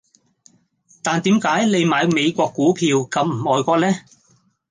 但點解你買美國股票咁唔愛國呢